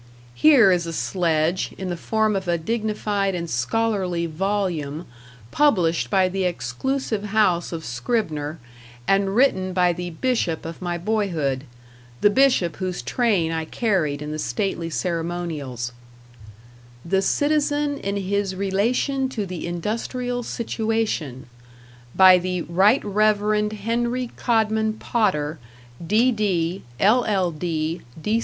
Here is a sledge, in the form of a dignified and scholarly volume, published by the exclusive house of Scribner, and written by the Bishop of my boyhood, the Bishop whose train I carried in the stately ceremonials: "The Citizen in His Relation to the Industrial Situation," by the Right Reverend Henry Codman Potter, D.D., L.L.